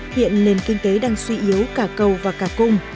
hiện nền kinh tế đang suy yếu cả cầu và cả cung